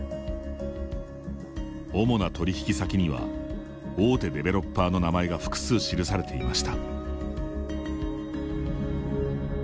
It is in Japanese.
主な取引先には大手のデベロッパーの名前が複数記されていました。